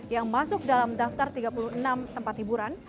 yang masuk dalam daftar tiga puluh enam tempat hiburan